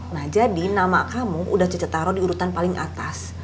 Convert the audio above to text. nah jadi nama kamu udah cetaroh diurutan paling atas